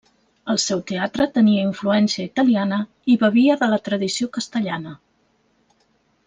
El seu teatre tenia influència italiana i bevia de la tradició castellana.